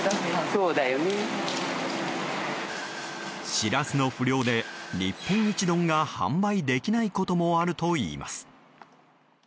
シラスの不漁で日本一丼が販売できないこともあるといいます。